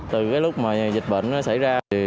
từ lúc dịch bệnh xảy ra